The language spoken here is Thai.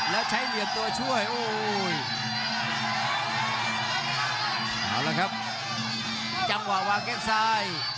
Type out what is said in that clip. แล้วใช้เหลี่ยมตัวช่วยโอ้โหเอาละครับจังหวะวางแข้งซ้าย